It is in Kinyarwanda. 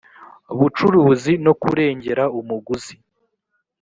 bucuruzi no kurengera umuguzi